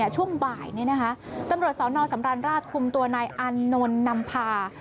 ช่วงบ่ายตำรวจสนสำราญราชคุมตัวนายอานนท์นำพา